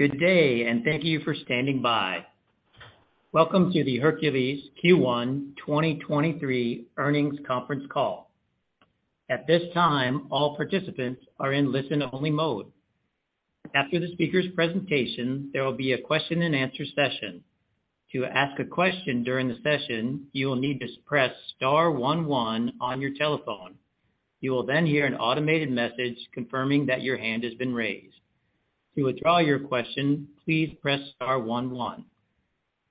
Good day. Thank you for standing by. Welcome to the Hercules Q1 2023 Earnings Conference Call. At this time, all participants are in listen-only mode. After the speaker's presentation, there will be a question-and-answer session. To ask a question during the session, you will need to press star-one-one on your telephone. You will then hear an automated message confirming that your hand has been raised. To withdraw your question, please press star-one-one.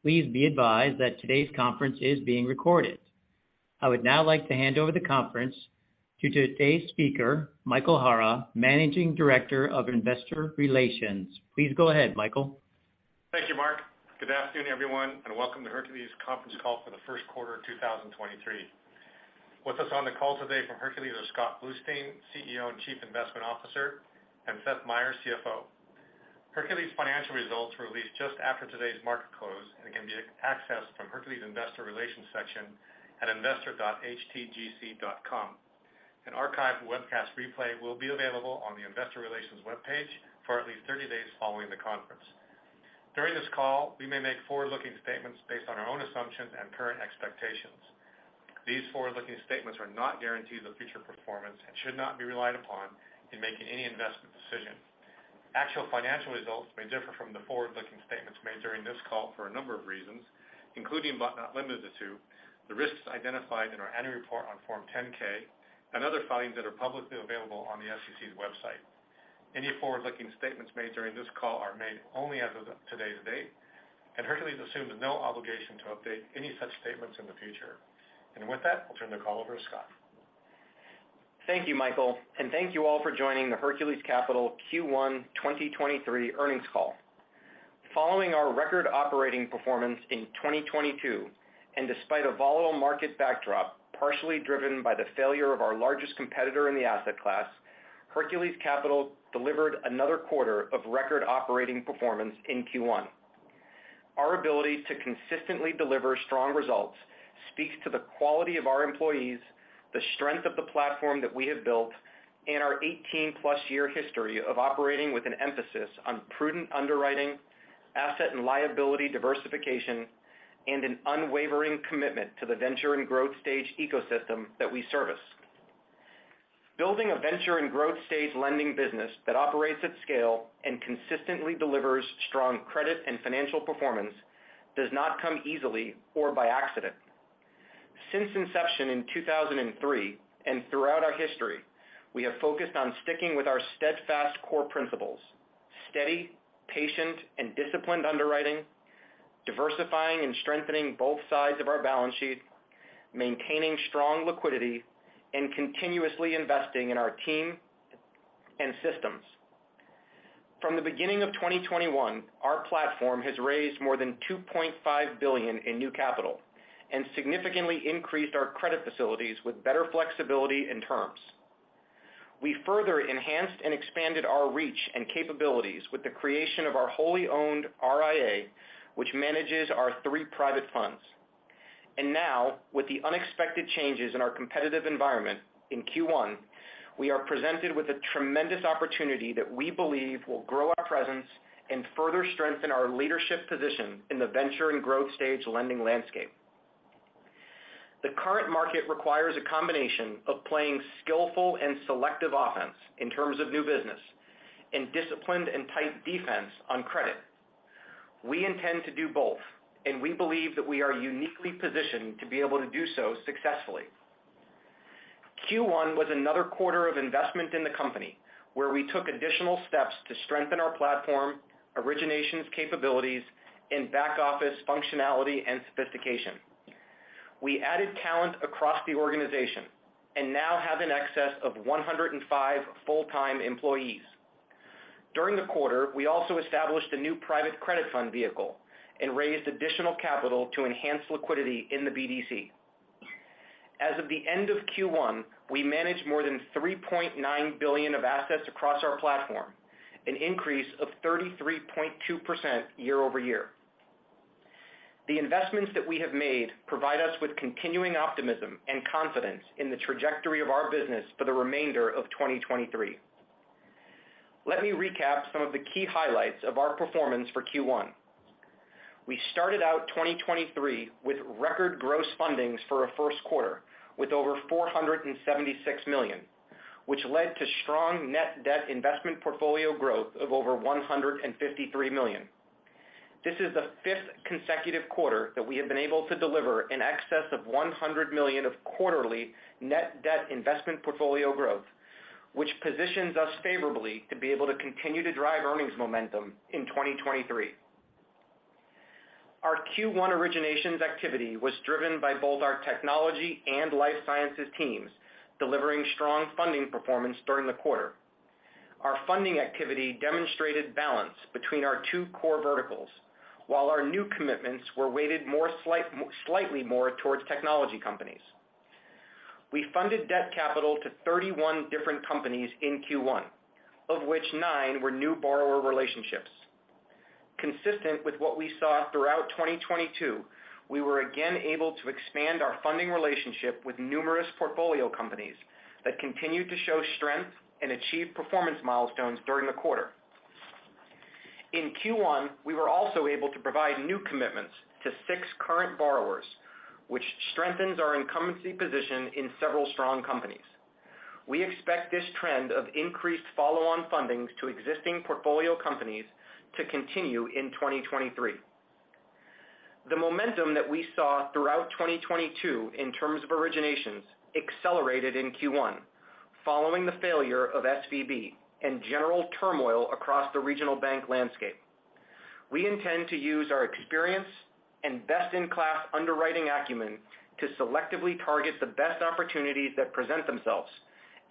Please be advised that today's conference is being recorded. I would now like to hand over the conference to today's speaker, Michael Hara, Managing Director of Investor Relations. Please go ahead, Michael. Thank you, Mark. Good afternoon, everyone, and welcome to Hercules conference call for the 1st quarter of 2023. With us on the call today from Hercules are Scott Bluestein, CEO and Chief Investment Officer, and Seth Meyer, CFO. Hercules financial results were released just after today's market close and can be accessed from Hercules investor relations section at investor.htgc.com. An archived webcast replay will be available on the investor relations webpage for at least 30 days following the conference. During this call, we may make forward-looking statements based on our own assumptions and current expectations. These forward-looking statements are not guarantees of future performance and should not be relied upon in making any investment decision. Actual financial results may differ from the forward-looking statements made during this call for a number of reasons, including, but not limited to, the risks identified in our annual report on Form 10-K and other filings that are publicly available on the SEC's website. Hercules assumes no obligation to update any such statements in the future. With that, I'll turn the call over to Scott. Thank you, Michael, and thank you all for joining the Hercules Capital Q1 2023 earnings call. Following our record operating performance in 2022, and despite a volatile market backdrop partially driven by the failure of our largest competitor in the asset class, Hercules Capital delivered another quarter of record operating performance in Q1. Our ability to consistently deliver strong results speaks to the quality of our employees, the strength of the platform that we have built, and our 18-plus year history of operating with an emphasis on prudent underwriting, asset and liability diversification, and an unwavering commitment to the venture and growth stage ecosystem that we service. Building a venture and growth stage lending business that operates at scale and consistently delivers strong credit and financial performance does not come easily or by accident. Since inception in 2003 and throughout our history, we have focused on sticking with our steadfast core principles: steady, patient, and disciplined underwriting, diversifying and strengthening both sides of our balance sheet, maintaining strong liquidity, and continuously investing in our team and systems. From the beginning of 2021, our platform has raised more than $2.5 billion in new capital and significantly increased our credit facilities with better flexibility and terms. We further enhanced and expanded our reach and capabilities with the creation of our wholly owned RIA, which manages our three private funds. Now, with the unexpected changes in our competitive environment in Q1, we are presented with a tremendous opportunity that we believe will grow our presence and further strengthen our leadership position in the venture and growth stage lending landscape. The current market requires a combination of playing skillful and selective offense in terms of new business and disciplined and tight defense on credit. We intend to do both, and we believe that we are uniquely positioned to be able to do so successfully. Q1 was another quarter of investment in the company where we took additional steps to strengthen our platform, originations capabilities, and back-office functionality and sophistication. We added talent across the organization and now have an excess of 105 full-time employees. During the quarter, we also established a new private credit fund vehicle and raised additional capital to enhance liquidity in the BDC. As of the end of Q1, we managed more than $3.9 billion of assets across our platform, an increase of 33.2% year-over-year. The investments that we have made provide us with continuing optimism and confidence in the trajectory of our business for the remainder of 2023. Let me recap some of the key highlights of our performance for Q1. We started out 2023 with record gross fundings for a first quarter, with over $476 million, which led to strong net debt investment portfolio growth of over $153 million. This is the fifth consecutive quarter that we have been able to deliver in excess of $100 million of quarterly net debt investment portfolio growth, which positions us favorably to be able to continue to drive earnings momentum in 2023. Our Q1 originations activity was driven by both our technology and life sciences teams delivering strong funding performance during the quarter. Our funding activity demonstrated balance between our two core verticals. While our new commitments were weighted more slightly more towards technology companies. We funded debt capital to 31 different companies in Q1, of which nine were new borrower relationships. Consistent with what we saw throughout 2022, we were again able to expand our funding relationship with numerous portfolio companies that continued to show strength and achieve performance milestones during the quarter. In Q1, we were also able to provide new commitments to six current borrowers, which strengthens our incumbency position in several strong companies. We expect this trend of increased follow-on fundings to existing portfolio companies to continue in 2023. The momentum that we saw throughout 2022 in terms of originations accelerated in Q1 following the failure of SVB and general turmoil across the regional bank landscape. We intend to use our experience and best-in-class underwriting acumen to selectively target the best opportunities that present themselves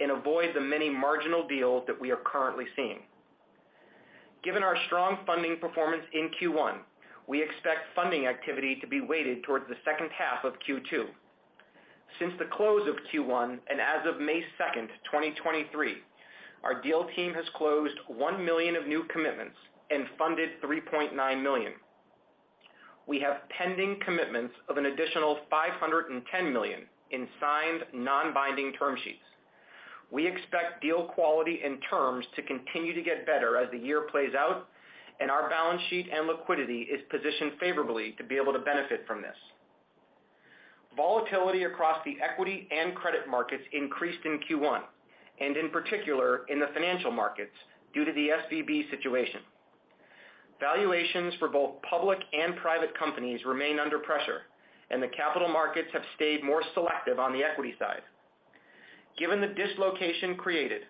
and avoid the many marginal deals that we are currently seeing. Given our strong funding performance in Q1, we expect funding activity to be weighted towards the second half of Q2. Since the close of Q1 and as of May 2, 2023, our deal team has closed $1 million of new commitments and funded $3.9 million. We have pending commitments of an additional $510 million in signed non-binding term sheets. We expect deal quality and terms to continue to get better as the year plays out, and our balance sheet and liquidity is positioned favorably to be able to benefit from this. Volatility across the equity and credit markets increased in Q1, and in particular in the financial markets due to the SVB situation. Valuations for both public and private companies remain under pressure. The capital markets have stayed more selective on the equity side. Given the dislocation created,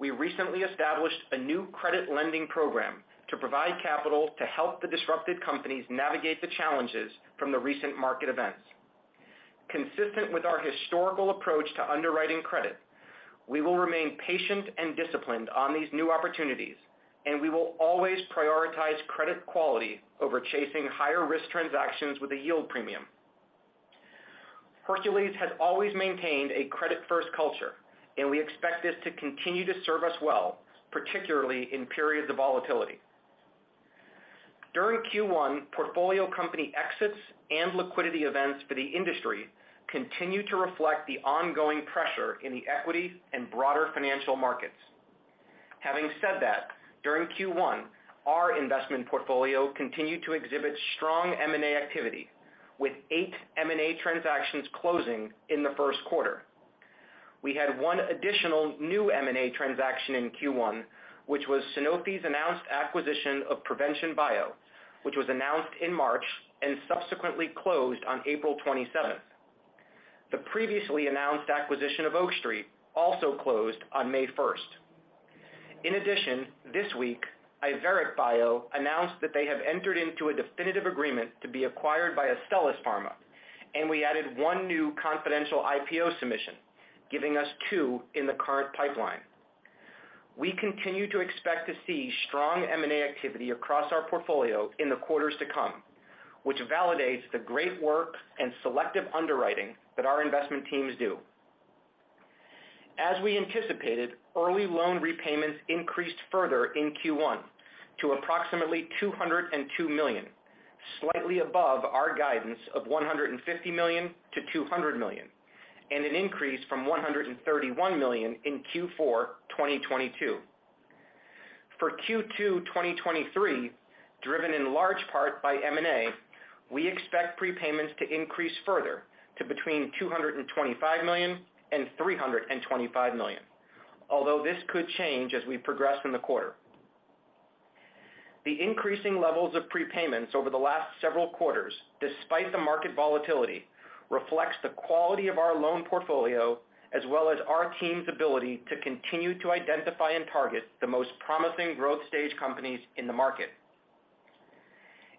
we recently established a new credit lending program to provide capital to help the disrupted companies navigate the challenges from the recent market events. Consistent with our historical approach to underwriting credit, we will remain patient and disciplined on these new opportunities. We will always prioritize credit quality over chasing higher-risk transactions with a yield premium. Hercules has always maintained a credit-first culture. We expect this to continue to serve us well, particularly in periods of volatility. During Q1, portfolio company exits and liquidity events for the industry continued to reflect the ongoing pressure in the equity and broader financial markets. Having said that, during Q1, our investment portfolio continued to exhibit strong M&A activity, with 8 M&A transactions closing in the 1st quarter. We had one additional new M&A transaction in Q1, which was Sanofi's announced acquisition of Provention Bio, which was announced in March and subsequently closed on April 27th. The previously announced acquisition of Oak Street also closed on May 1st. In addition, this week, Iveric Bio announced that they have entered into a definitive agreement to be acquired by Astellas Pharma, and we added 1 new confidential IPO submission, giving us two in the current pipeline. We continue to expect to see strong M&A activity across our portfolio in the quarters to come, which validates the great work and selective underwriting that our investment teams do. As we anticipated, early loan repayments increased further in Q1 to approximately $202 million, slightly above our guidance of $150 million-$200 million, and an increase from $131 million in Q4 2022. For Q2 2023, driven in large part by M&A, we expect prepayments to increase further to between $225 million and $325 million, although this could change as we progress from the quarter. The increasing levels of prepayments over the last several quarters, despite the market volatility, reflects the quality of our loan portfolio as well as our team's ability to continue to identify and target the most promising growth stage companies in the market.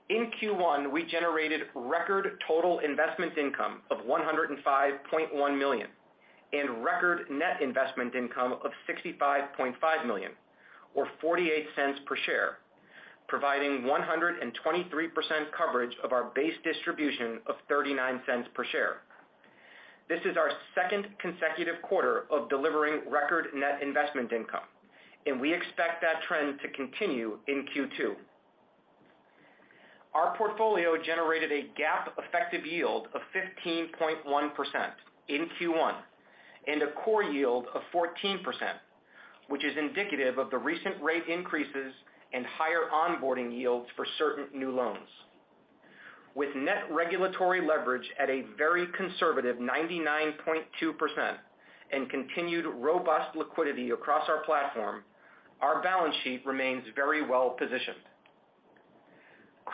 In Q1, we generated record total investment income of $105.1 million and record net investment income of $65.5 million or $0.48 per share, providing 123% coverage of our base distribution of $0.39 per share. This is our second consecutive quarter of delivering record net investment income. We expect that trend to continue in Q2. Our portfolio generated a GAAP effective yield of 15.1% in Q1 and a core yield of 14%, which is indicative of the recent rate increases and higher onboarding yields for certain new loans. With net regulatory leverage at a very conservative 99.2% and continued robust liquidity across our platform, our balance sheet remains very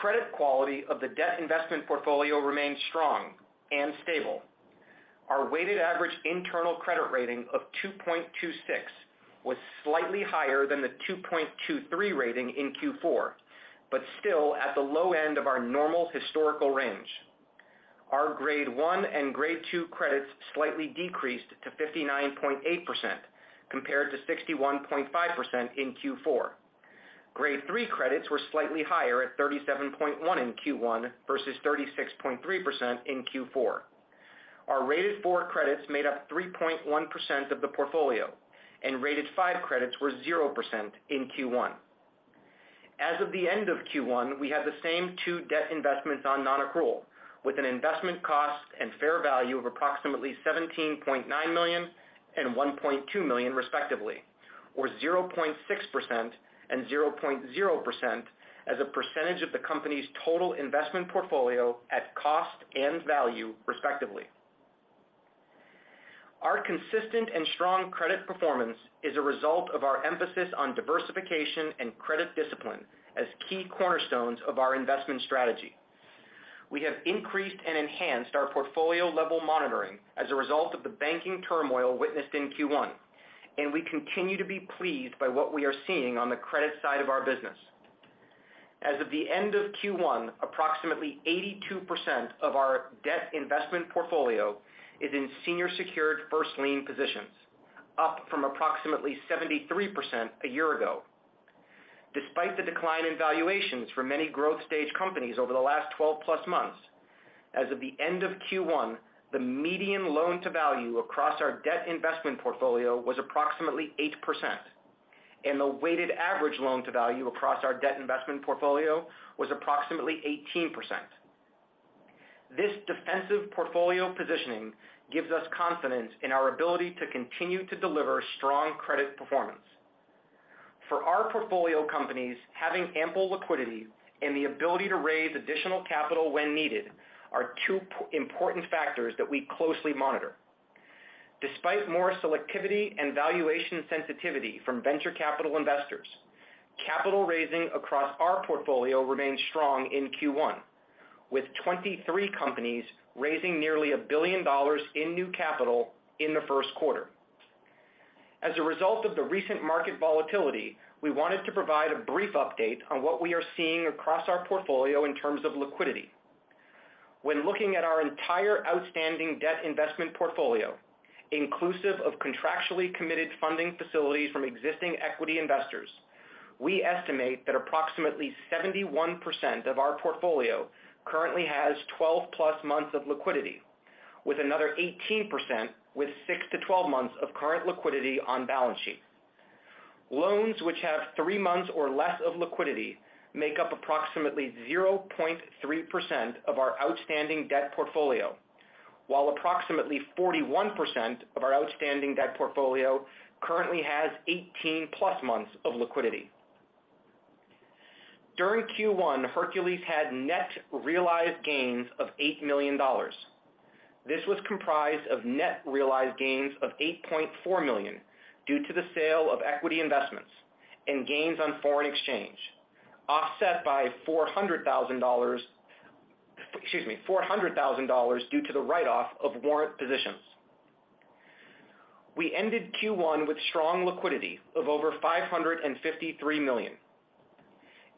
well-positioned. Credit quality of the debt investment portfolio remains strong and stable. Our weighted average internal credit rating of 2.26 was slightly higher than the 2.23 rating in Q4, but still at the low end of our normal historical range. Our grade one and grade two credits slightly decreased to 59.8% compared to 61.5% in Q4. Grade three credits were slightly higher at 37.1% in Q1 versus 36.3% in Q4. Our rated four credits made up 3.1% of the portfolio and rated five credits were 0% in Q1. As of the end of Q1, we have the same 2 debt investments on non-accrual, with an investment cost and fair value of approximately $17.9 million and $1.2 million respectively, or 0.6% and 0.0% as a percentage of the company's total investment portfolio at cost and value respectively. Our consistent and strong credit performance is a result of our emphasis on diversification and credit discipline as key cornerstones of our investment strategy. We have increased and enhanced our portfolio level monitoring as a result of the banking turmoil witnessed in Q1, and we continue to be pleased by what we are seeing on the credit side of our business. As of the end of Q1, approximately 82% of our debt investment portfolio is in senior secured first lien positions, up from approximately 73% a year ago. Despite the decline in valuations for many growth stage companies over the last 12-plus months, as of the end of Q1, the median loan to value across our debt investment portfolio was approximately 8%, and the weighted average loan to value across our debt investment portfolio was approximately 18%. This defensive portfolio positioning gives us confidence in our ability to continue to deliver strong credit performance. For our portfolio companies, having ample liquidity and the ability to raise additional capital when needed are two important factors that we closely monitor. Despite more selectivity and valuation sensitivity from venture capital investors, capital raising across our portfolio remains strong in Q1, with 23 companies raising nearly $1 billion in new capital in the first quarter. As a result of the recent market volatility, we wanted to provide a brief update on what we are seeing across our portfolio in terms of liquidity. When looking at our entire outstanding debt investment portfolio, inclusive of contractually committed funding facilities from existing equity investors, we estimate that approximately 71% of our portfolio currently has 12-plus months of liquidity, with another 18% with 6-12 months of current liquidity on balance sheet. Loans which have three months or less of liquidity make up approximately 0.3% of our outstanding debt portfolio, while approximately 41% of our outstanding debt portfolio currently has 18-plus months of liquidity. During Q1, Hercules had net realized gains of $8 million. This was comprised of net realized gains of $8.4 million due to the sale of equity investments and gains on foreign exchange, offset by $400,000 due to the write off of warrant positions. We ended Q1 with strong liquidity of over $553 million.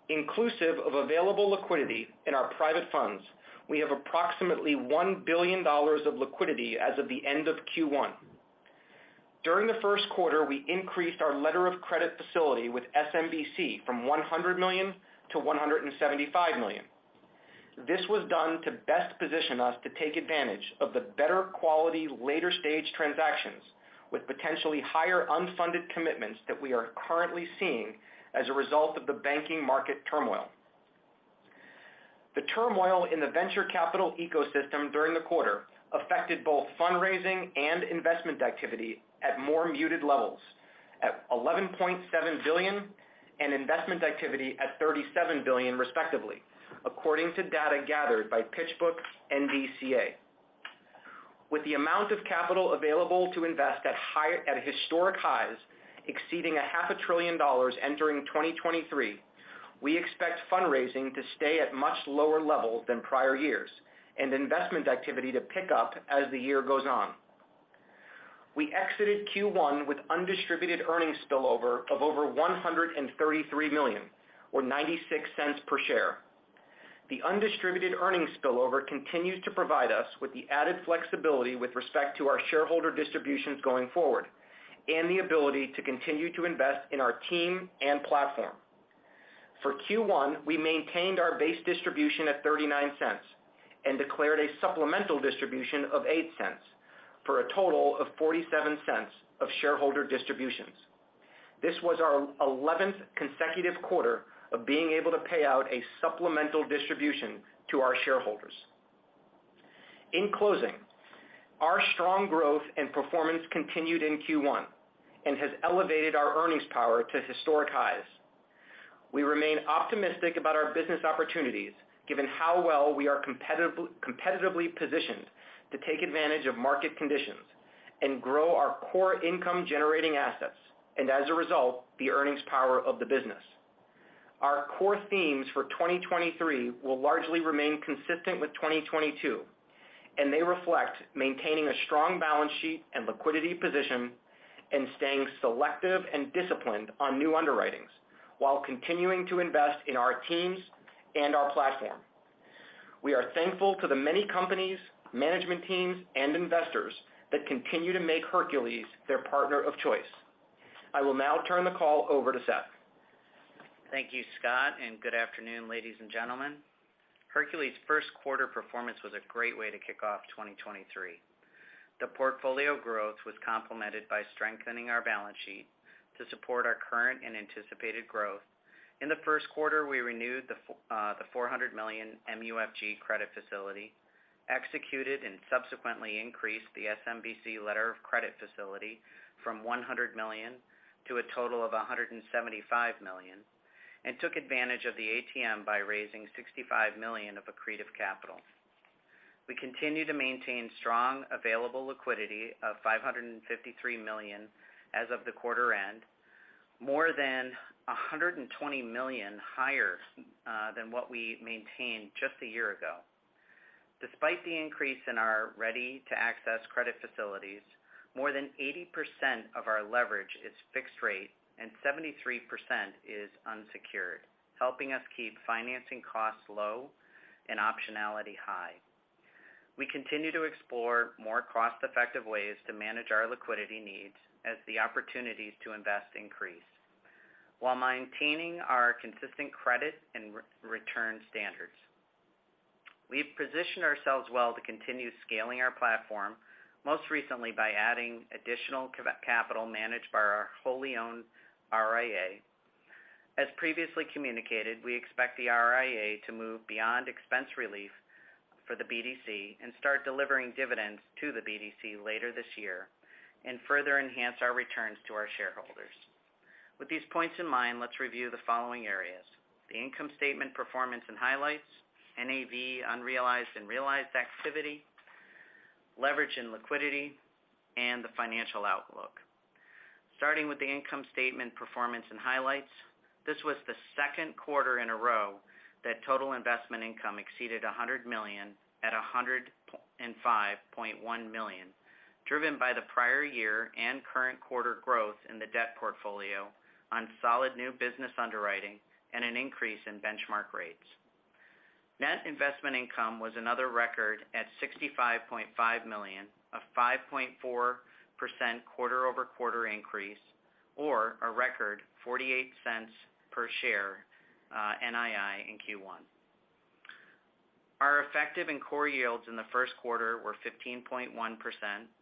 Inclusive of available liquidity in our private funds, we have approximately $1 billion of liquidity as of the end of Q1. During the first quarter, we increased our letter of credit facility with SMBC from $100 millio-$175 million. This was done to best position us to take advantage of the better quality later stage transactions with potentially higher unfunded commitments that we are currently seeing as a result of the banking market turmoil. The turmoil in the venture capital ecosystem during the quarter affected both fundraising and investment activity at more muted levels at $11.7 billion and investment activity at $37 billion respectively, according to data gathered by PitchBook-NVCA. With the amount of capital available to invest at historic highs exceeding a half a trillion dollars entering 2023, we expect fundraising to stay at much lower levels than prior years and investment activity to pick up as the year goes on. We exited Q1 with undistributed earnings spillover of over $133 million or $0.96 per share. The undistributed earnings spillover continues to provide us with the added flexibility with respect to our shareholder distributions going forward and the ability to continue to invest in our team and platform. For Q1, we maintained our base distribution at $0.39 and declared a supplemental distribution of $0.08 for a total of $0.47 of shareholder distributions. This was our eleventh consecutive quarter of being able to pay out a supplemental distribution to our shareholders. In closing, our strong growth and performance continued in Q1 and has elevated our earnings power to historic highs. We remain optimistic about our business opportunities given how well we are competitively positioned to take advantage of market conditions and grow our core income generating assets, and as a result, the earnings power of the business. Our core themes for 2023 will largely remain consistent with 2022, and they reflect maintaining a strong balance sheet and liquidity position and staying selective and disciplined on new underwritings while continuing to invest in our teams and our platform. We are thankful to the many companies, management teams and investors that continue to make Hercules their partner of choice. I will now turn the call over to Seth. Thank you, Scott, and good afternoon, ladies and gentlemen. Hercules first quarter performance was a great way to kick off 2023. The portfolio growth was complemented by strengthening our balance sheet to support our current and anticipated growth. In the first quarter, we renewed the $400 million MUFG credit facility, executed and subsequently increased the SMBC letter of credit facility from $100 million to a total of $175 million, and took advantage of the ATM by raising $65 million of accretive capital. We continue to maintain strong available liquidity of $553 million as of the quarter end, more than $120 million higher than what we maintained just a year ago. Despite the increase in our ready-to-access credit facilities, more than 80% of our leverage is fixed rate and 73% is unsecured, helping us keep financing costs low and optionality high. We continue to explore more cost-effective ways to manage our liquidity needs as the opportunities to invest increase while maintaining our consistent credit and return standards. We've positioned ourselves well to continue scaling our platform, most recently by adding additional capital managed by our wholly owned RIA. As previously communicated, we expect the RIA to move beyond expense relief for the BDC and start delivering dividends to the BDC later this year and further enhance our returns to our shareholders. With these points in mind, let's review the following areas: the income statement performance and highlights, NAV unrealized and realized activity, leverage and liquidity, and the financial outlook. Starting with the income statement performance and highlights, this was the second quarter in a row that total investment income exceeded $100 million at $105.1 million, driven by the prior year and current quarter growth in the debt portfolio on solid new business underwriting and an increase in benchmark rates. Net investment income was another record at $65.5 million, a 5.4% quarter-over-quarter increase, or a record $0.48 per share, NII in Q1. Our effective and core yields in the first quarter were 15.1%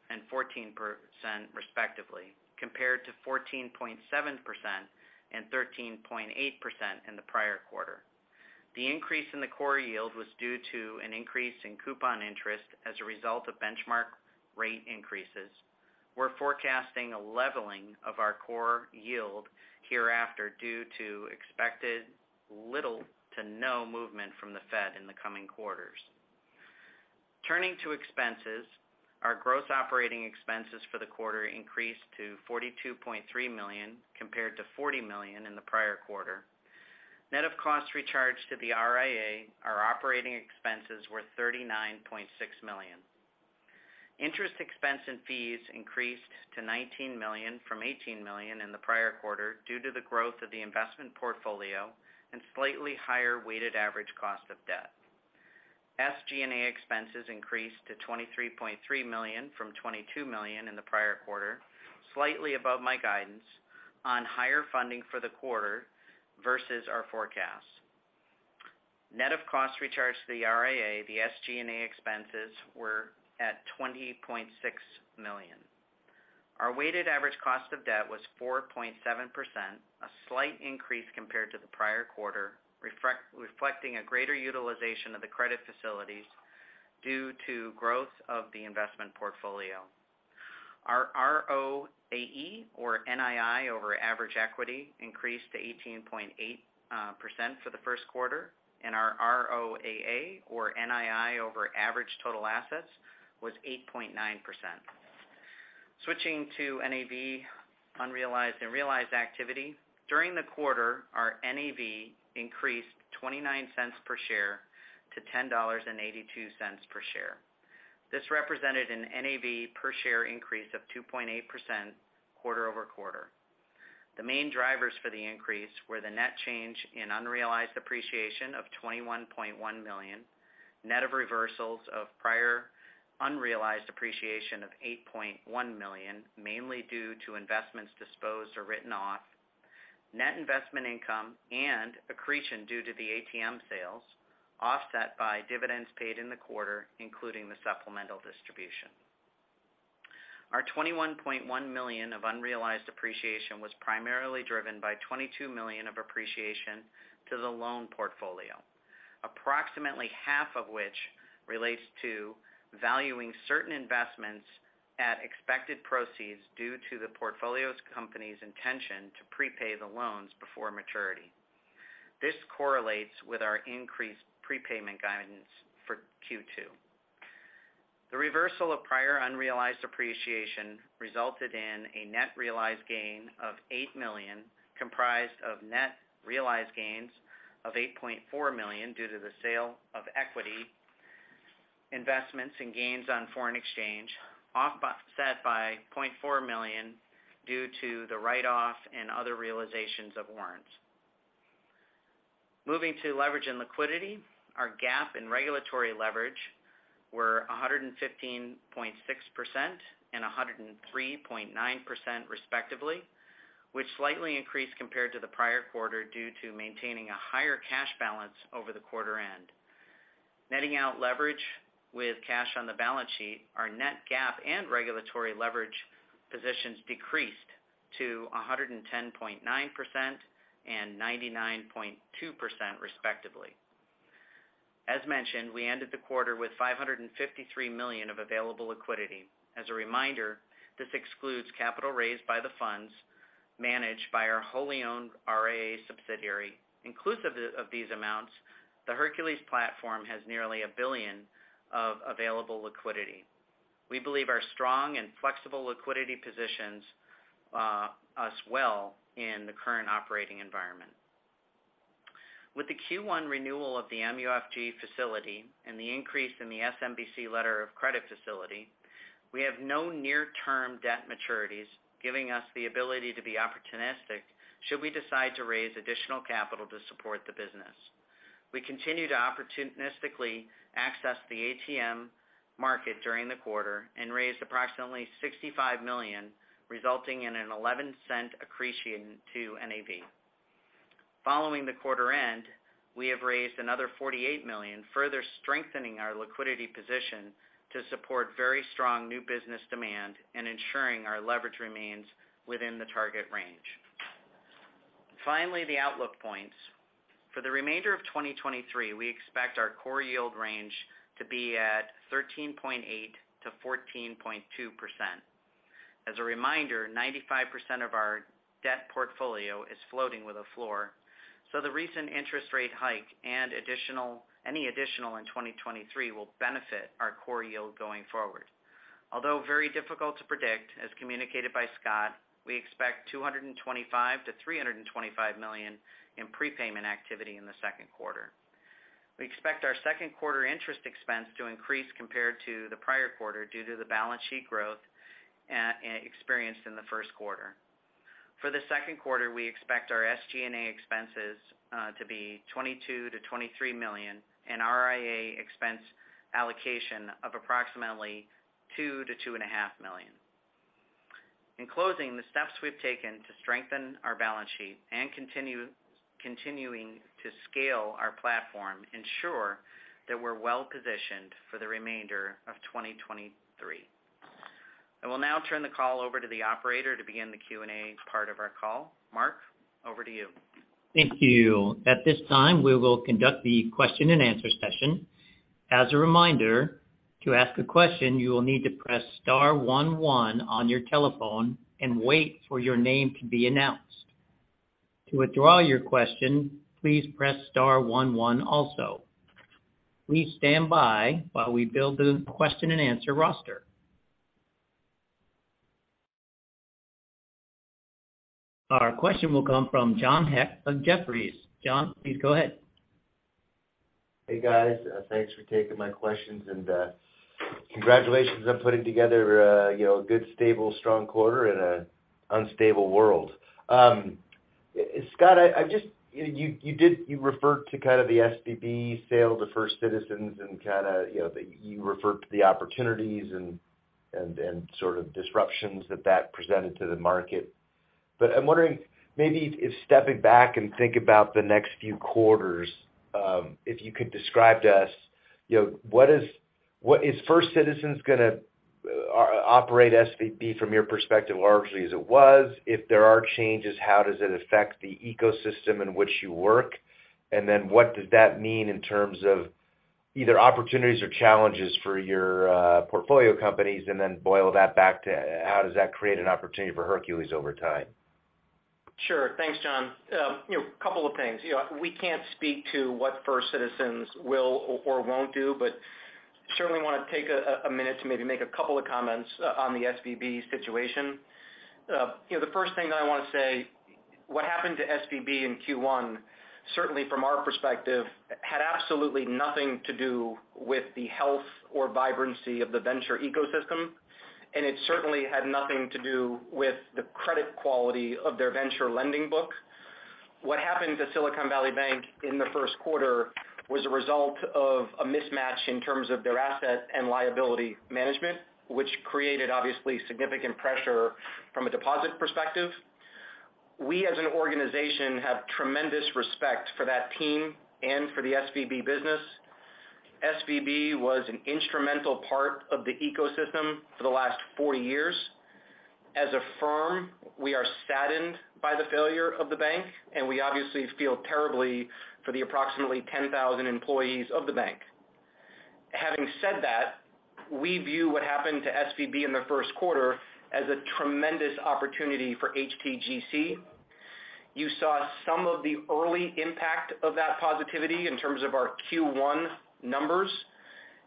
and 14% respectively, compared to 14.7% and 13.8% in the prior quarter. The increase in the core yield was due to an increase in coupon interest as a result of benchmark rate increases. We're forecasting a leveling of our core yield hereafter due to expected little to no movement from the Fed in the coming quarters. Turning to expenses, our gross operating expenses for the quarter increased to $42.3 million compared to $40 million in the prior quarter. Net of costs recharged to the RIA, our operating expenses were $39.6 million. Interest expense and fees increased to $19 million from $18 million in the prior quarter due to the growth of the investment portfolio and slightly higher weighted average cost of debt. SG&A expenses increased to $23.3 million from $22 million in the prior quarter, slightly above my guidance on higher funding for the quarter versus our forecast. Net of cost recharge to the RIA, the SG&A expenses were at $20.6 million. Our weighted average cost of debt was 4.7%, a slight increase compared to the prior quarter, reflecting a greater utilization of the credit facilities due to growth of the investment portfolio. Our ROAE, or NII over average equity, increased to 18.8% for the first quarter. Our ROAA, or NII over average total assets, was 8.9%. Switching to NAV unrealized and realized activity. During the quarter, our NAV increased $0.29 per share to $10.82 per share. This represented an NAV per share increase of 2.8% quarter-over-quarter. The main drivers for the increase were the net change in unrealized appreciation of $21.1 million, net of reversals of prior unrealized appreciation of $8.1 million, mainly due to investments disposed or written off, net investment income and accretion due to the ATM sales, offset by dividends paid in the quarter, including the supplemental distribution. Our $21.1 million of unrealized appreciation was primarily driven by $22 million of appreciation to the loan portfolio, approximately half of which relates to valuing certain investments at expected proceeds due to the portfolio's company's intention to prepay the loans before maturity. This correlates with our increased prepayment guidance for Q2. The reversal of prior unrealized appreciation resulted in a net realized gain of $8 million, comprised of net realized gains of $8.4 million due to the sale of equity investments and gains on foreign exchange, offset by $0.4 million due to the write-off and other realizations of warrants. Moving to leverage and liquidity. Our GAAP and regulatory leverage were 115.6% and 103.9% respectively, which slightly increased compared to the prior quarter due to maintaining a higher cash balance over the quarter end. Netting out leverage with cash on the balance sheet, our net GAAP and regulatory leverage positions decreased to 110.9% and 99.2% respectively. Mentioned, we ended the quarter with $553 million of available liquidity. As a reminder, this excludes capital raised by the funds managed by our wholly owned RIA subsidiary. Inclusive of these amounts, the Hercules platform has nearly $1 billion of available liquidity. We believe our strong and flexible liquidity positions us well in the current operating environment. With the Q1 renewal of the MUFG facility and the increase in the SMBC letter of credit facility, we have no near-term debt maturities, giving us the ability to be opportunistic should we decide to raise additional capital to support the business. We continue to opportunistically access the ATM market during the quarter and raised approximately $65 million, resulting in an $0.11 accretion to NAV. Following the quarter end, we have raised another $48 million, further strengthening our liquidity position to support very strong new business demand and ensuring our leverage remains within the target range. Finally, the outlook points. For the remainder of 2023, we expect our core yield range to be at 13.8%-14.2%. As a reminder, 95% of our debt portfolio is floating with a floor, the recent interest rate hike and any additional in 2023 will benefit our core yield going forward. Although very difficult to predict, as communicated by Scott, we expect $225 million-$325 million in prepayment activity in the second quarter. We expect our second quarter interest expense to increase compared to the prior quarter due to the balance sheet growth experienced in the first quarter. For the second quarter, we expect our SG&A expenses to be $22 million-$23 million, and RIA expense allocation of approximately $2 million-$2.5 million. In closing, the steps we've taken to strengthen our balance sheet and continuing to scale our platform ensure that we're well-positioned for the remainder of 2023. I will now turn the call over to the operator to begin the Q&A part of our call. Mark, over to you. Thank you. At this time, we will conduct the question-and-answer session. As a reminder, to ask a question, you will need to press star one one on your telephone and wait for your name to be announced. To withdraw your question, please press star one one also. Please stand by while we build the question-and-answer roster. Our question will come from John Hecht of Jefferies. John, please go ahead. Hey, guys. thanks for taking my questions and congratulations on putting together, you know, a good, stable, strong quarter in a unstable world. Scott, you referred to kind of the SVB sale to First Citizens and kinda, you know, you referred to the opportunities and sort of disruptions that presented to the market. I'm wondering maybe if stepping back and think about the next few quarters, if you could describe to us, you know, what is First Citizens gonna operate SVB, from your perspective, largely as it was? If there are changes, how does it affect the ecosystem in which you work? What does that mean in terms of either opportunities or challenges for your portfolio companies? Boil that back to how does that create an opportunity for Hercules over time? Sure. Thanks, John. You know, couple of things. You know, we can't speak to what First Citizens will or won't do, but certainly wanna take a minute to maybe make a couple of comments on the SVB situation. You know, the first thing I wanna say, what happened to SVB in Q1, certainly from our perspective, had absolutely nothing to do with the health or vibrancy of the venture ecosystem, and it certainly had nothing to do with the credit quality of their venture lending book. What happened to Silicon Valley Bank in the first quarter was a result of a mismatch in terms of their asset and liability management, which created obviously significant pressure from a deposit perspective. We, as an organization, have tremendous respect for that team and for the SVB business. SVB was an instrumental part of the ecosystem for the last 40 years. As a firm, we are saddened by the failure of the bank, and we obviously feel terribly for the approximately 10,000 employees of the bank. Having said that, we view what happened to SVB in the first quarter as a tremendous opportunity for HTGC. You saw some of the early impact of that positivity in terms of our Q1 numbers.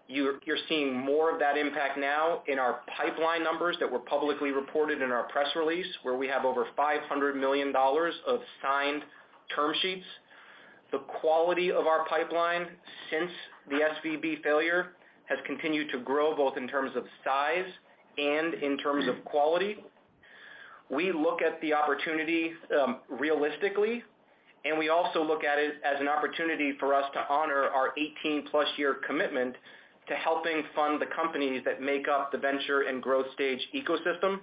You're seeing more of that impact now in our pipeline numbers that were publicly reported in our press release, where we have over $500 million of signed term sheets. The quality of our pipeline since the SVB failure has continued to grow, both in terms of size and in terms of quality. We look at the opportunity, realistically, we also look at it as an opportunity for us to honor our 18-plus year commitment to helping fund the companies that make up the venture and growth stage ecosystem.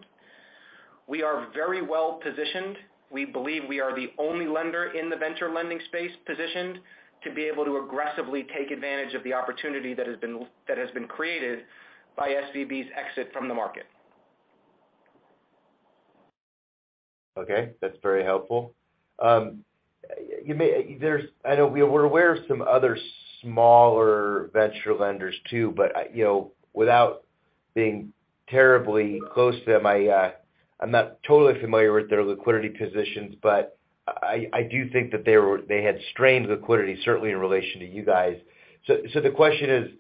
We are very well positioned. We believe we are the only lender in the venture lending space positioned to be able to aggressively take advantage of the opportunity that has been created by SVB's exit from the market. Okay, that's very helpful. There's I know we're aware of some other smaller venture lenders too, but, you know, without being terribly close to them, I'm not totally familiar with their liquidity positions, but I do think that they had strained liquidity, certainly in relation to you guys. The question is,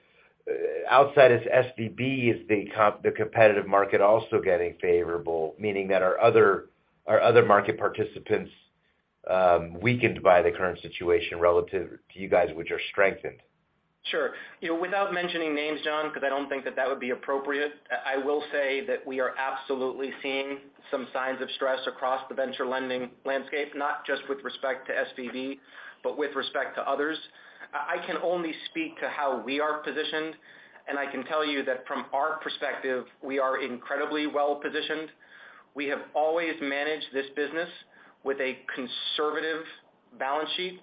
outside of SVB, is the competitive market also getting favorable? Meaning that are other market participants weakened by the current situation relative to you guys, which are strengthened? Sure. You know, without mentioning names, John, because I don't think that that would be appropriate, I will say that we are absolutely seeing some signs of stress across the venture lending landscape, not just with respect to SVB, but with respect to others. I can only speak to how we are positioned, and I can tell you that from our perspective, we are incredibly well-positioned. We have always managed this business with a conservative balance sheet.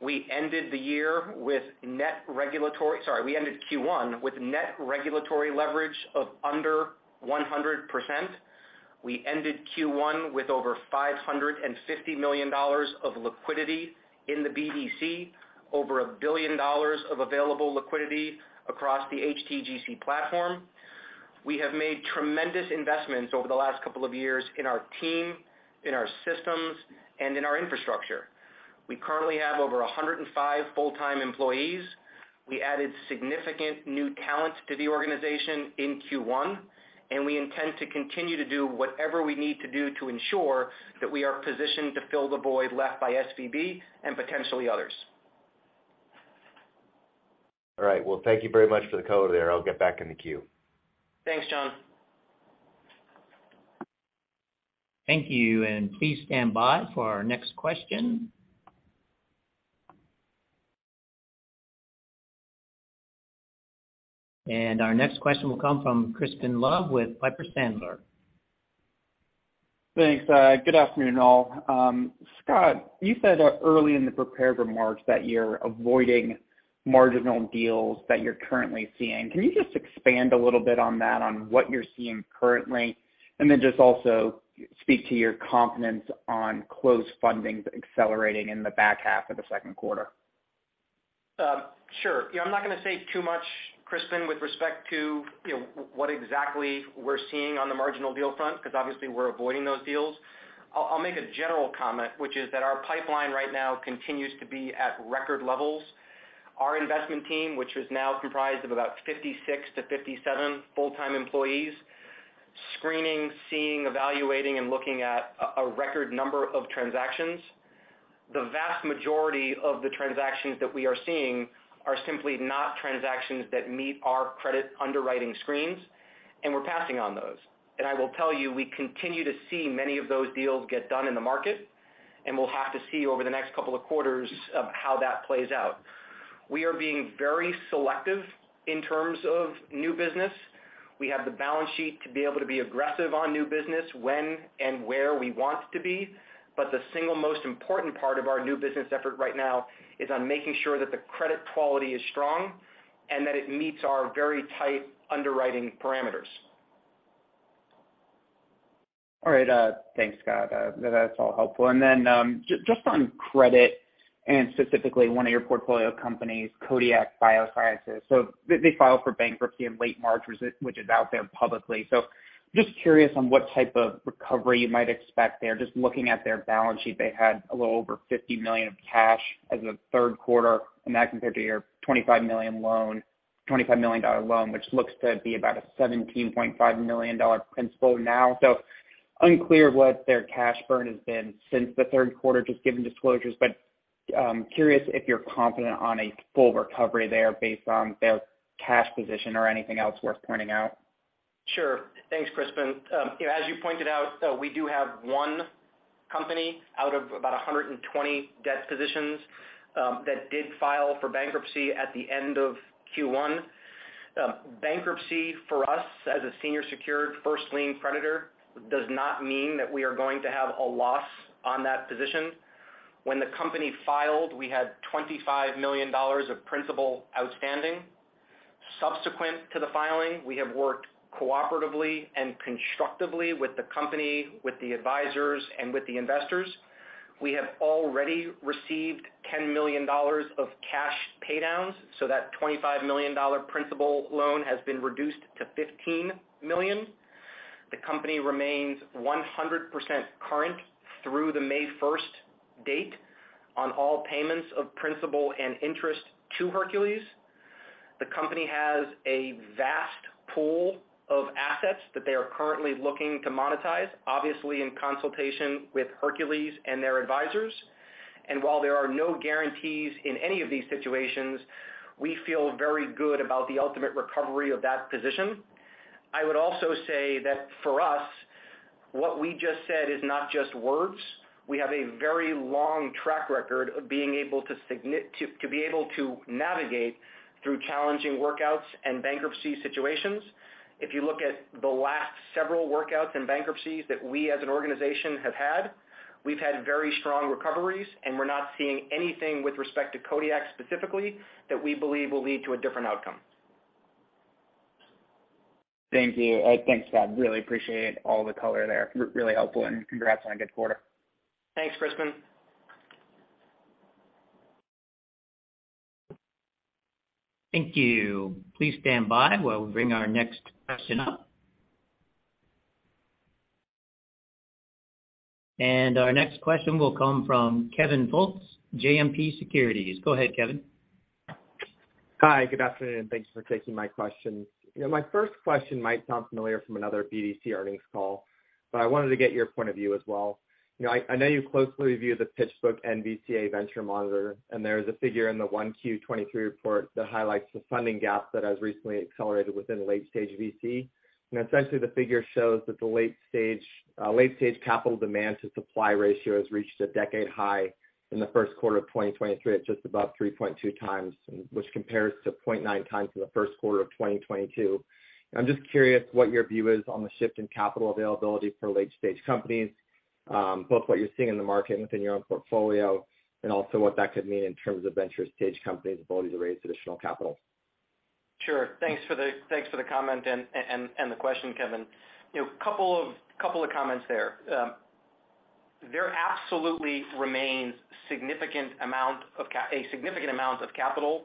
We ended Q1 with net regulatory leverage of under 100%. We ended Q1 with over $550 million of liquidity in the BDC, over $1 billion of available liquidity across the HTGC platform. We have made tremendous investments over the last couple of years in our team, in our systems, and in our infrastructure. We currently have over 105 full-time employees. We added significant new talent to the organization in Q1. We intend to continue to do whatever we need to do to ensure that we are positioned to fill the void left by SVB and potentially others. All right. Well, thank you very much for the color there. I'll get back in the queue. Thanks, John. Thank you. Please stand by for our next question. Our next question will come from Crispin Love with Piper Sandler. Thanks. Good afternoon, all. Scott, you said early in the prepared remarks that you're avoiding marginal deals that you're currently seeing. Can you just expand a little bit on that, on what you're seeing currently? Just also speak to your confidence on close fundings accelerating in the back half of the second quarter. Sure. You know, I'm not gonna say too much, Crispin, with respect to, you know, what exactly we're seeing on the marginal deal front, because obviously we're avoiding those deals. I'll make a general comment, which is that our pipeline right now continues to be at record levels. Our investment team, which is now comprised of about 557 full-time employees, screening, seeing, evaluating, and looking at a record number of transactions. The vast majority of the transactions that we are seeing are simply not transactions that meet our credit underwriting screens, and we're passing on those. I will tell you, we continue to see many of those deals get done in the market, and we'll have to see over the next couple of quarters of how that plays out. We are being very selective in terms of new business. We have the balance sheet to be able to be aggressive on new business when and where we want to be. The single most important part of our new business effort right now is on making sure that the credit quality is strong and that it meets our very tight underwriting parameters. All right. Thanks, Scott. That's all helpful. Just on credit and specifically one of your portfolio companies, Kodiak Sciences. They filed for bankruptcy in late March, which is out there publicly. Just curious on what type of recovery you might expect there. Just looking at their balance sheet, they had a little over $50 million of cash as of third quarter, and that compared to your $25 million dollar loan, which looks to be about a $17.5 million dollar principal now. Unclear what their cash burn has been since the third quarter, just given disclosures. Curious if you're confident on a full recovery there based on their cash position or anything else worth pointing out. Sure. Thanks, Crispin. You know, as you pointed out, we do have one company out of about 120 debt positions that did file for bankruptcy at the end of Q1. Bankruptcy for us as a senior secured first lien creditor does not mean that we are going to have a loss on that position. When the company filed, we had $25 million of principal outstanding. Subsequent to the filing, we have worked cooperatively and constructively with the company, with the advisors, and with the investors. We have already received $10 million of cash pay downs, so that $25 million principal loan has been reduced to $15 million. The company remains 100% current through the May first date on all payments of principal and interest to Hercules. The company has a vast pool of assets that they are currently looking to monetize, obviously in consultation with Hercules and their advisors. While there are no guarantees in any of these situations, we feel very good about the ultimate recovery of that position. I would also say that for us, what we just said is not just words. We have a very long track record of being able to navigate through challenging workouts and bankruptcy situations. If you look at the last several workouts and bankruptcies that we as an organization have had, we've had very strong recoveries, and we're not seeing anything with respect to Kodiak specifically that we believe will lead to a different outcome. Thank you. Thanks, Scott. Really appreciate all the color there. Really helpful, and congrats on a good quarter. Thanks, Crispin. Thank you. Please stand by while we bring our next question up. Our next question will come from Kevin Fultz, JMP Securities. Go ahead, Kevin. Hi. Good afternoon, and thanks for taking my question. You know, my first question might sound familiar from another BDC earnings call, but I wanted to get your point of view as well. You know, I know you closely view the PitchBook-NVCA Venture Monitor, and there's a figure in the 1Q 2023 report that highlights the funding gap that has recently accelerated within late stage VC. Essentially the figure shows that the late stage capital demand to supply ratio has reached a decade high in the first quarter of 2023 at just above 3.2 times, which compares to 0.9 times in the first quarter of 2022. I'm just curious what your view is on the shift in capital availability for late stage companies, both what you're seeing in the market and within your own portfolio, and also what that could mean in terms of venture stage companies' ability to raise additional capital. Sure. Thanks for the comment and the question, Kevin. You know, couple of comments there. There absolutely remains a significant amount of capital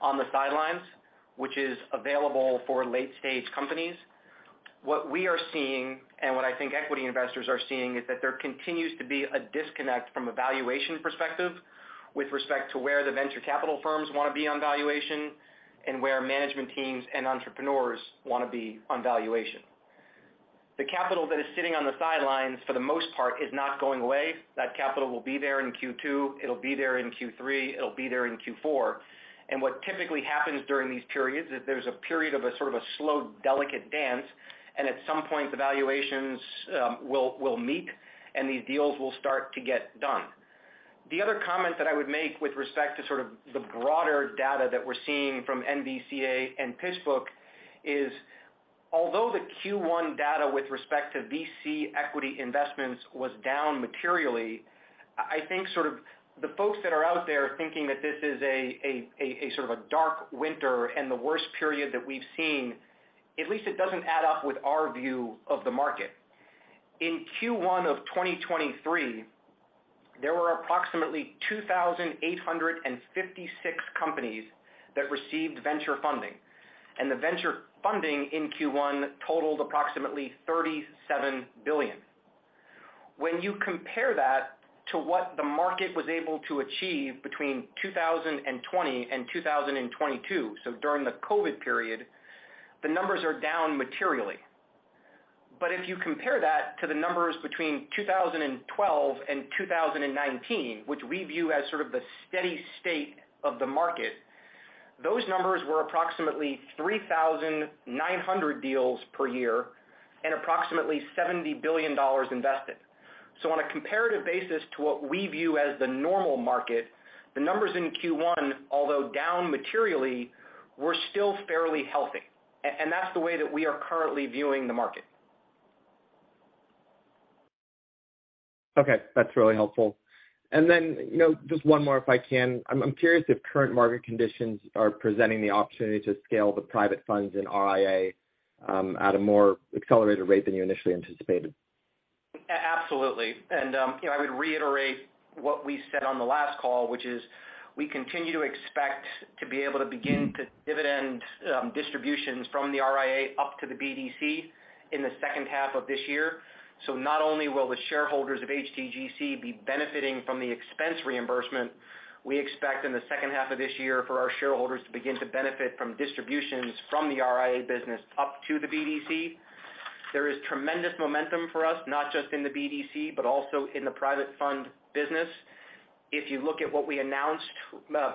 on the sidelines, which is available for late stage companies. What we are seeing and what I think equity investors are seeing, is that there continues to be a disconnect from a valuation perspective with respect to where the venture capital firms wanna be on valuation and where management teams and entrepreneurs wanna be on valuation. The capital that is sitting on the sidelines for the most part is not going away. That capital will be there in Q2, it'll be there in Q3, it'll be there in Q4. What typically happens during these periods is there's a period of a sort of a slow, delicate dance, and at some point, the valuations will meet and these deals will start to get done. The other comment that I would make with respect to sort of the broader data that we're seeing from NVCA and PitchBook is although the Q1 data with respect to VC equity investments was down materially, I think sort of the folks that are out there thinking that this is a sort of a dark winter and the worst period that we've seen, at least it doesn't add up with our view of the market. In Q1 of 2023, there were approximately 2,856 companies that received venture funding, and the venture funding in Q1 totaled approximately $37 billion. When you compare that to what the market was able to achieve between 2020 and 2022, so during the COVID period, the numbers are down materially. If you compare that to the numbers between 2012 and 2019, which we view as sort of the steady state of the market, those numbers were approximately 3,900 deals per year and approximately $70 billion invested. On a comparative basis to what we view as the normal market, the numbers in Q1, although down materially, were still fairly healthy. That's the way that we are currently viewing the market. Okay, that's really helpful. You know, just one more if I can. I'm curious if current market conditions are presenting the opportunity to scale the private funds in RIA at a more accelerated rate than you initially anticipated? Absolutely. You know, I would reiterate what we said on the last call, which is we continue to expect to be able to begin to dividend distributions from the RIA up to the BDC in the second half of this year. Not only will the shareholders of HTGC be benefiting from the expense reimbursement, we expect in the second half of this year for our shareholders to begin to benefit from distributions from the RIA business up to the BDC. There is tremendous momentum for us, not just in the BDC, but also in the private fund business. If you look at what we announced,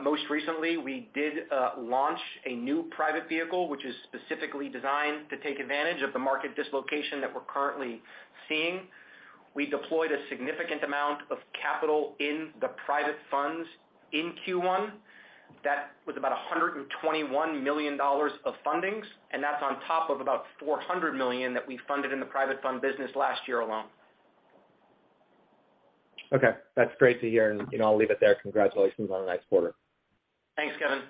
most recently, we did launch a new private vehicle, which is specifically designed to take advantage of the market dislocation that we're currently seeing. We deployed a significant amount of capital in the private funds in Q1. That was about $121 million of fundings, and that's on top of about $400 million that we funded in the private fund business last year alone. Okay. That's great to hear, and you know, I'll leave it there. Congratulations on a nice quarter. Thanks, Kevin.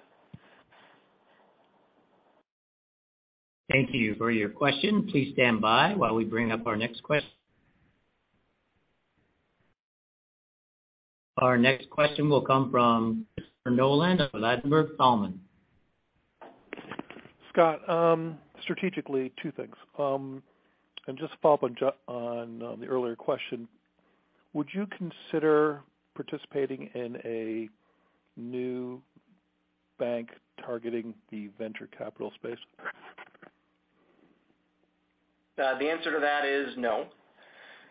Thank you for your question. Please stand by while we bring up Our next question will come from Christopher Nolan of Ladenburg Thalmann. Scott, strategically, two things. Just to follow up on John, the earlier question, would you consider participating in a new bank targeting the venture capital space? The answer to that is no.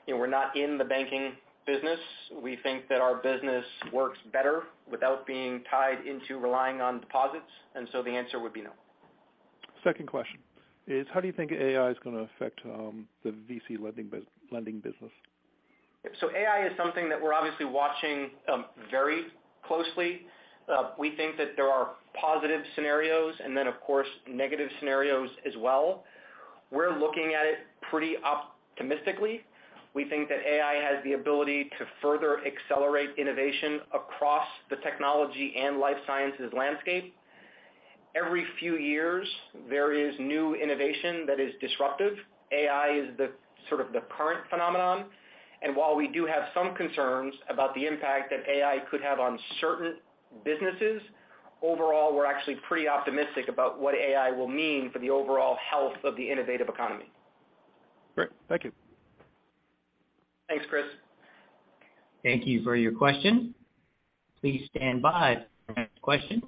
You know, we're not in the banking business. We think that our business works better without being tied into relying on deposits, and so the answer would be no. Second question is, how do you think AI is gonna affect, the VC lending business? AI is something that we're obviously watching, very closely. We think that there are positive scenarios and then, of course, negative scenarios as well. We're looking at it pretty optimistically. We think that AI has the ability to further accelerate innovation across the technology and life sciences landscape. Every few years, there is new innovation that is disruptive. AI is the sort of the current phenomenon. While we do have some concerns about the impact that AI could have on certain businesses, overall, we're actually pretty optimistic about what AI will mean for the overall health of the innovative economy. Great. Thank you. Thanks, Chris. Thank you for your question. Please stand by for the next question.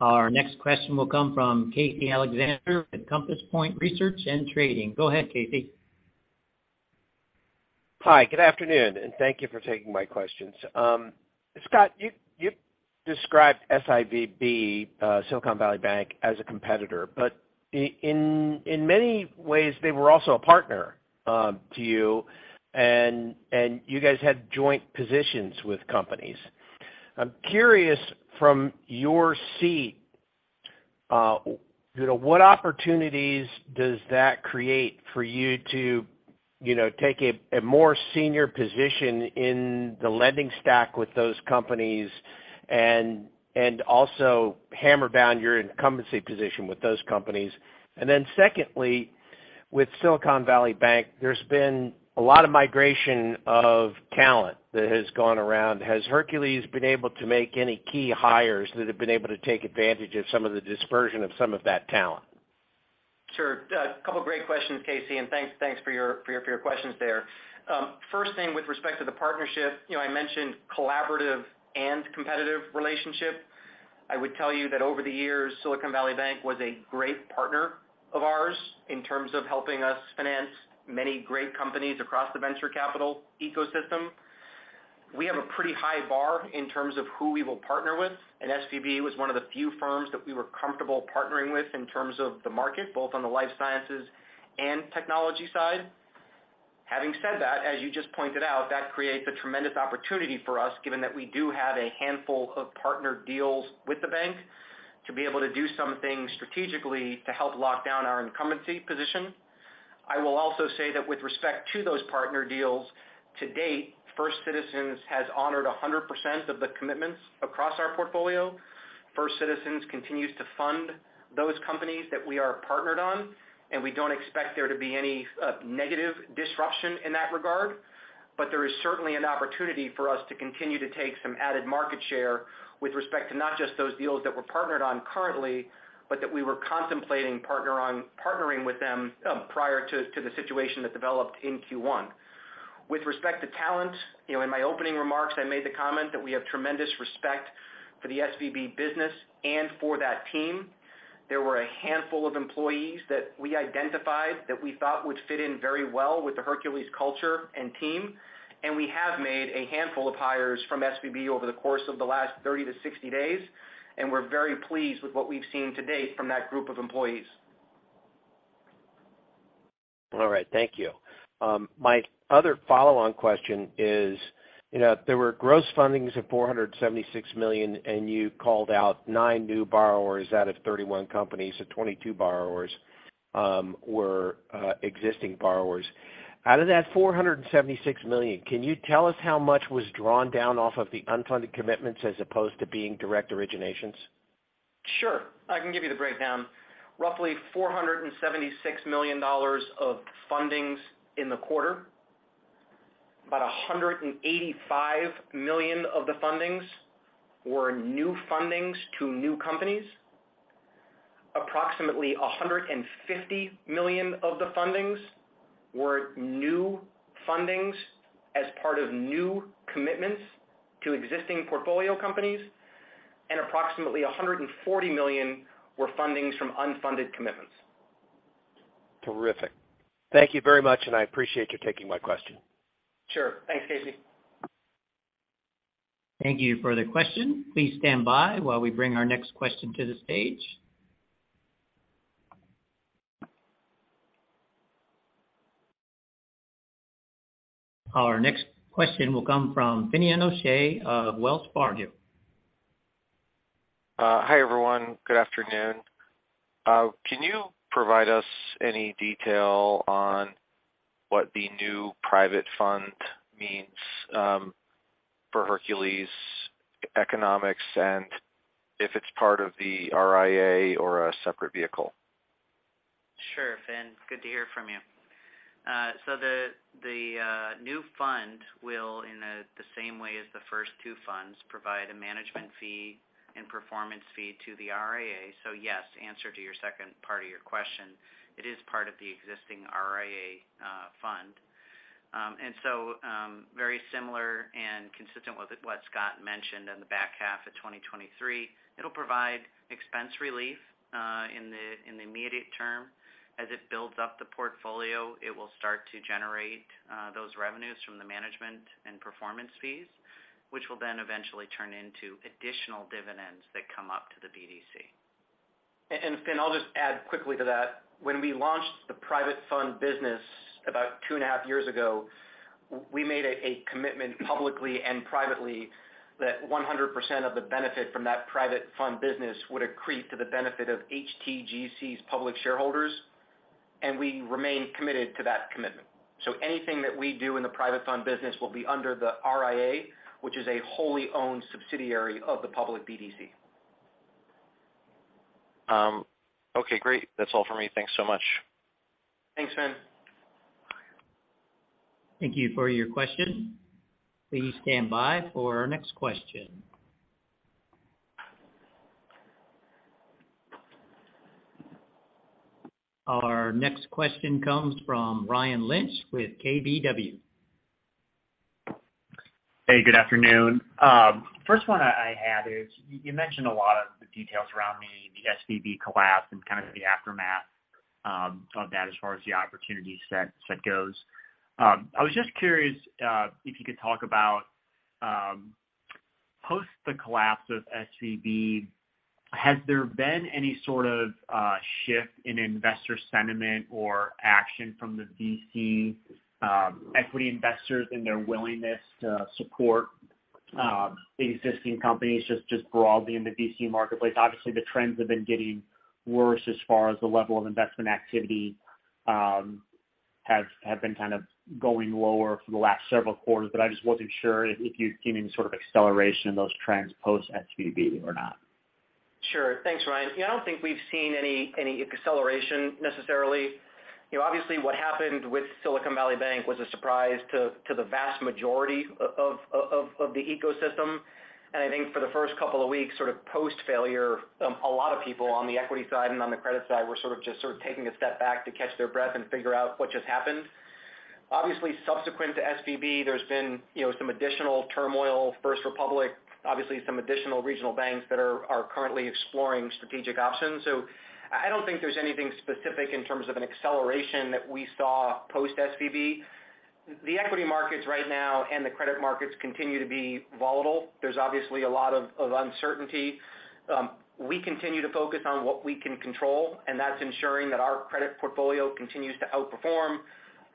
Our next question will come from Casey Alexander at Compass Point Research & Trading. Go ahead, Casey. Hi, good afternoon, and thank you for taking my questions. Scott, you described SVB, Silicon Valley Bank, as a competitor, but in many ways, they were also a partner to you and you guys had joint positions with companies. I'm curious from your seat, you know, what opportunities does that create for you to, you know, take a more senior position in the lending stack with those companies and also hammer down your incumbency position with those companies? Secondly, with Silicon Valley Bank, there's been a lot of migration of talent that has gone around. Has Hercules been able to make any key hires that have been able to take advantage of some of the dispersion of some of that talent? Sure. A couple great questions, Casey. Thanks for your questions there. First thing with respect to the partnership, you know, I mentioned collaborative and competitive relationship. I would tell you that over the years, Silicon Valley Bank was a great partner of ours in terms of helping us finance many great companies across the venture capital ecosystem. We have a pretty high bar in terms of who we will partner with, SVB was one of the few firms that we were comfortable partnering with in terms of the market, both on the life sciences and technology side. Having said that, as you just pointed out, that creates a tremendous opportunity for us, given that we do have a handful of partnered deals with the bank to be able to do something strategically to help lock down our incumbency position. I will also say that with respect to those partner deals, to date, First Citizens has honored 100% of the commitments across our portfolio. First Citizens continues to fund those companies that we are partnered on, and we don't expect there to be any negative disruption in that regard. There is certainly an opportunity for us to continue to take some added market share with respect to not just those deals that we're partnered on currently, but that we were contemplating partnering with them prior to the situation that developed in Q1. With respect to talent, you know, in my opening remarks, I made the comment that we have tremendous respect for the SVB business and for that team. There were a handful of employees that we identified that we thought would fit in very well with the Hercules culture and team. We have made a handful of hires from SVB over the course of the last 30-60 days. We're very pleased with what we've seen to date from that group of employees. All right. Thank you. My other follow-on question is, you know, there were gross fundings of $476 million, and you called out nine new borrowers out of 31 companies. Twenty-two borrowers were existing borrowers. Out of that $476 million, can you tell us how much was drawn down off of the unfunded commitments as opposed to being direct originations? Sure. I can give you the breakdown. Roughly $476 million of fundings in the quarter. About $185 million of the fundings were new fundings to new companies. Approximately $150 million of the fundings were new fundings as part of new commitments to existing portfolio companies, and approximately $140 million were fundings from unfunded commitments. Terrific. Thank you very much. I appreciate you taking my question. Sure. Thanks, Casey. Thank you for the question. Please stand by while we bring our next question to the stage. Our next question will come from Finian O'Shea of Wells Fargo. Hi, everyone. Good afternoon. Can you provide us any detail on what the new private fund means for Hercules economics and if it's part of the RIA or a separate vehicle? Sure, Finn. Good to hear from you. The new fund will in the same way as the first two funds provide a management fee and performance fee to the RIA. Yes, answer to your second part of your question, it is part of the existing RIA fund. Very similar and consistent with what Scott mentioned in the back half of 2023, it'll provide expense relief in the immediate term. As it builds up the portfolio, it will start to generate those revenues from the management and performance fees, which will then eventually turn into additional dividends that come up to the BDC. Finn, I'll just add quickly to that. When we launched the private fund business about 2 and a half years ago, we made a commitment publicly and privately that 100% of the benefit from that private fund business would accrete to the benefit of HTGC's public shareholders, and we remain committed to that commitment. Anything that we do in the private fund business will be under the RIA, which is a wholly owned subsidiary of the public BDC. Okay. Great. That's all for me. Thanks so much. Thanks, Finn. Thank you for your question. Please stand by for our next question. Our next question comes from Ryan Lynch with KBW. Hey, good afternoon. First one I had is you mentioned a lot of the details around the SVB collapse and kind of the aftermath of that as far as the opportunity set goes. I was just curious if you could talk about post the collapse of SVB, has there been any sort of shift in investor sentiment or action from the VC equity investors in their willingness to support existing companies just broadly in the VC marketplace? Obviously, the trends have been getting worse as far as the level of investment activity have been kind of going lower for the last several quarters. I just wasn't sure if you've seen any sort of acceleration in those trends post SVB or not. Sure. Thanks, Ryan. Yeah, I don't think we've seen any acceleration necessarily. You know, obviously, what happened with Silicon Valley Bank was a surprise to the vast majority of the ecosystem. I think for the first couple of weeks sort of post-failure, a lot of people on the equity side and on the credit side were sort of just sort of taking a step back to catch their breath and figure out what just happened. Obviously, subsequent to SVB, there's been, you know, some additional turmoil, First Republic, obviously some additional regional banks that are currently exploring strategic options. I don't think there's anything specific in terms of an acceleration that we saw post SVB. The equity markets right now and the credit markets continue to be volatile. There's obviously a lot of uncertainty. We continue to focus on what we can control, and that's ensuring that our credit portfolio continues to outperform,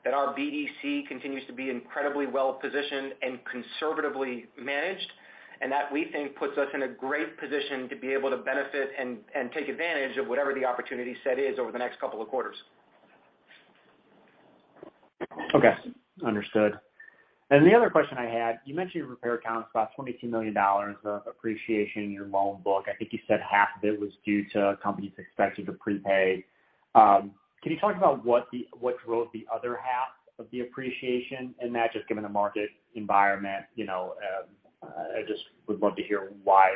that our BDC continues to be incredibly well-positioned and conservatively managed, and that we think puts us in a great position to be able to benefit and take advantage of whatever the opportunity set is over the next couple of quarters. Okay. Understood. The other question I had, you mentioned your repair account is about $22 million of appreciation in your loan book. I think you said half of it was due to companies expected to prepay. Can you talk about what drove the other half of the appreciation in that, just given the market environment, you know, I just would love to hear why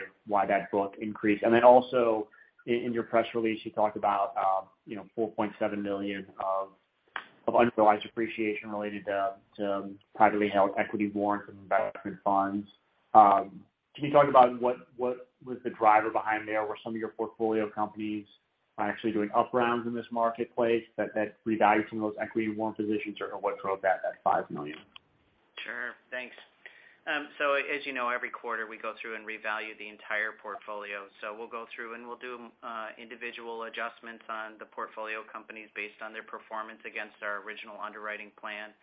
that book increased. Then also in your press release, you talked about, you know, $4.7 million of unrealized appreciation related to privately held equity warrants and investment funds. Can you talk about what was the driver behind there? Were some of your portfolio companies actually doing up rounds in this marketplace that revalued some of those equity warrant positions, or what drove that $5 million? Sure. Thanks. As you know, every quarter we go through and revalue the entire portfolio. We'll go through and we'll do individual adjustments on the portfolio companies based on their performance against our original underwriting plan.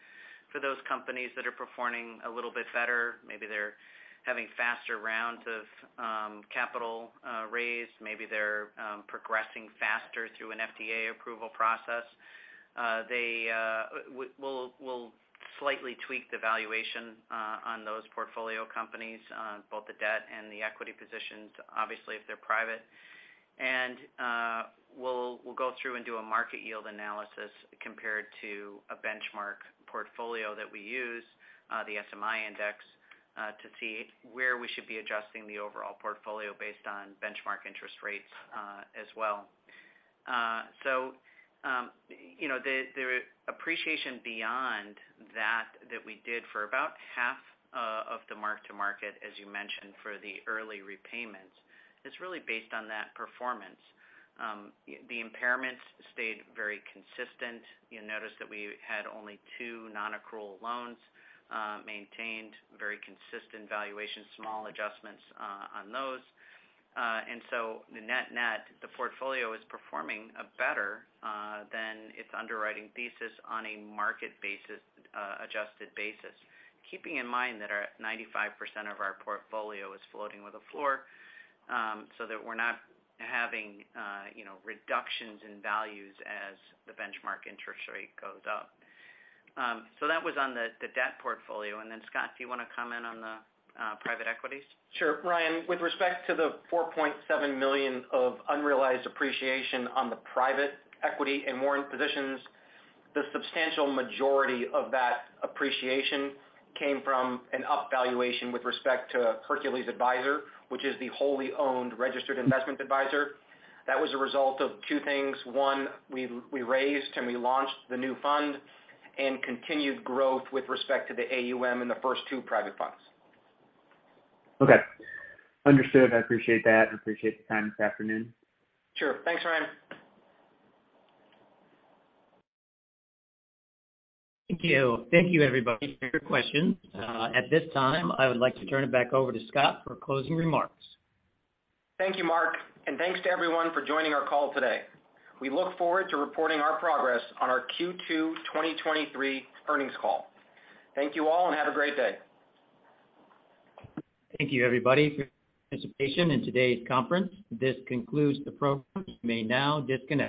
For those companies that are performing a little bit better, maybe they're having faster rounds of capital raised, maybe they're progressing faster through an FDA approval process, we'll slightly tweak the valuation on those portfolio companies, both the debt and the equity positions, obviously if they're private. We'll go through and do a market yield analysis compared to a benchmark portfolio that we use, the CSLLI index, to see where we should be adjusting the overall portfolio based on benchmark interest rates, as well. You know, the appreciation beyond that that we did for about half of the mark to market, as you mentioned, for the early repayments is really based on that performance. The impairments stayed very consistent. You'll notice that we had only two non-accrual loans, maintained very consistent valuations, small adjustments on those. The net net, the portfolio is performing better than its underwriting thesis on a market basis, adjusted basis. Keeping in mind that our 95% of our portfolio is floating with a floor, so that we're not having, you know, reductions in values as the benchmark interest rate goes up. That was on the debt portfolio. Scott, do you wanna comment on the private equities? Sure. Ryan, with respect to the $4.7 million of unrealized appreciation on the private equity and warrant positions, the substantial majority of that appreciation came from an up valuation with respect to Hercules Adviser, which is the wholly owned registered investment advisor. That was a result of two things. One, we raised and we launched the new fund and continued growth with respect to the AUM in the first two private funds. Okay. Understood. I appreciate that. I appreciate the time this afternoon. Sure. Thanks, Ryan. Thank you. Thank you, everybody, for your questions. At this time, I would like to turn it back over to Scott for closing remarks. Thank you, Mark, and thanks to everyone for joining our call today. We look forward to reporting our progress on our Q2 2023 earnings call. Thank you all, and have a great day. Thank you, everybody, for your participation in today's conference. This concludes the program. You may now disconnect.